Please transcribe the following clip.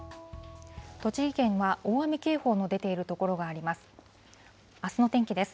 栃木県は大雨警報の出ている所があります。